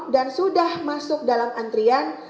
dan sudah masuk dalam antrian